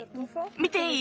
見ていい？